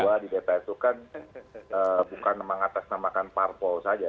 kami kan kami dua di dpr itu kan bukan mengatasnamakan parpol saja